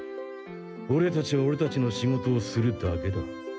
オレたちはオレたちの仕事をするだけだ。